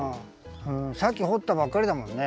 さっきほったばっかりだもんね。